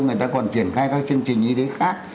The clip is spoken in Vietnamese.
người ta còn triển khai các chương trình như thế khác